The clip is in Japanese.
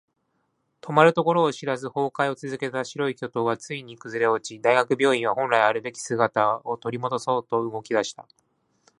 止まるところを知らず崩壊を続けた白い巨塔はついに崩れ落ち、大学病院は本来のあるべき姿を取り戻そうと動き出した。